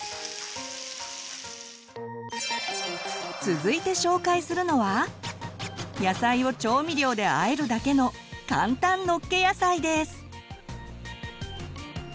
続いて紹介するのは野菜を調味料で和えるだけの簡単「のっけ野菜」です。